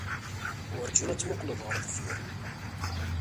Werjin ad temmuqqleḍ ɣer deffir.